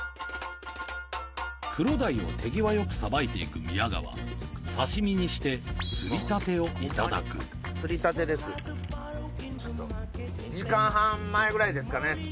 クロダイを手際よくさばいていく宮川刺身にして釣りたてをいただく２時間半前ぐらいですかね？